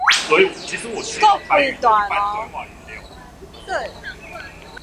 國會大樓